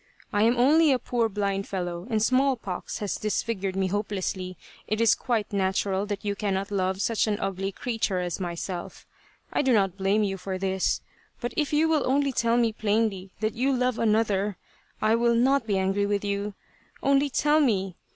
I am only a poor blind fellow and smallpox has disfigured me hopelessly. It is quite natural that you cannot love such an ugly creature as myself. I do not blame you for this. But if you will only tell me plainly that you love another, I will not be angry with you, only tell 163 Tsubosaka me